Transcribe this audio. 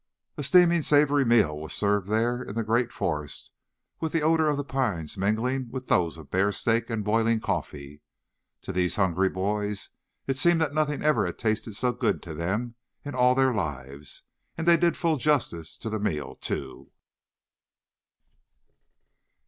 A steaming, savory meal was served there in the great forest with the odor of the pines mingling with those of bear steak and boiling coffee. To these hungry boys it seemed that nothing ever had tasted so good to them in all their lives. And they did full justice to the meal, too.